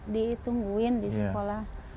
ditungguin di sekolah